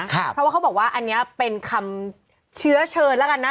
เพราะว่าเขาบอกว่าอันนี้เป็นคำเชื้อเชิญแล้วกันนะ